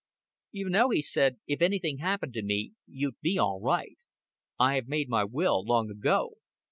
"You know," he said, "if anything happened to me, you'd be all right. I have made my will long ago.